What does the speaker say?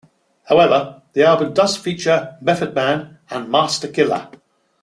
However, the album does feature Method Man and Masta Killa.